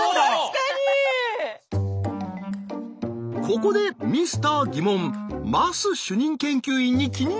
ここでミスター疑問桝主任研究員に気になることが。